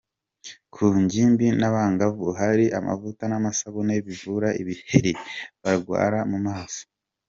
Ku ngimbi n’abangavu hari amavuta n’amasabune bivura ibiheri barwara mu maso.